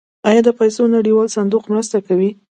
آیا د پیسو نړیوال صندوق مرسته کوي؟